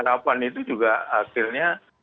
harapan itu juga hasilnya